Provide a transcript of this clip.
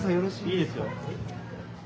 いいですよ。